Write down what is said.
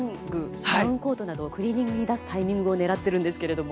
具ロングコートなどをクリーニングに出すタイミングを狙っているんですが。